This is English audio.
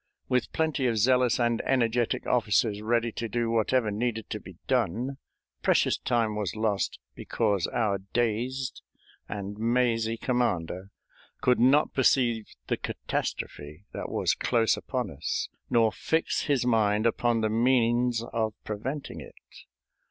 With plenty of zealous and energetic officers ready to do whatever needed to be done, precious time was lost because our dazed and mazy commander could not perceive the catastrophe that was close upon us, nor fix his mind upon the means of preventing it.